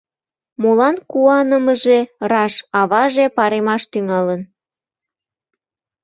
Молан куанымыже раш: аваже паремаш тӱҥалын.